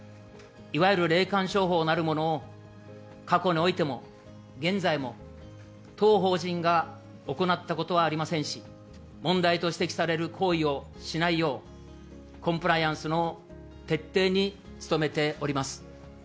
いわゆる霊感商法なるものを、過去においても、現在も、当法人が行ったことはありませんし、問題と指摘される行為をしないよう、コンプライアンスの徹底に努めております。